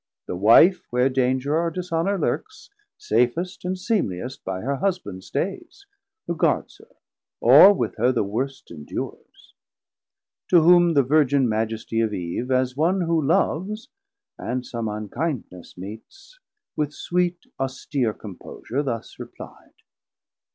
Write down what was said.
The Wife, where danger or dishonour lurks, Safest and seemliest by her Husband staies, Who guards her, or with her the worst endures. To whom the Virgin Majestie of Eve, 270 As one who loves, and some unkindness meets, With sweet austeer composure thus reply'd.